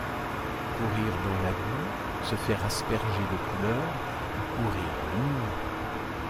Courir dans la boue, se faire asperger de couleurs, ou courir de nuit.